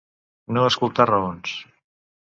No escoltar raons.